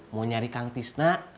mau nyari kang tisna